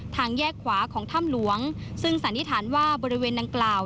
ทางแยกขวาของถ้ำหลวงซึ่งสันนิษฐานว่าบริเวณดังกล่าว